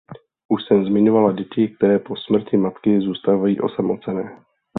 Už jsem zmiňovala děti, které po smrti matky zůstávají osamocené.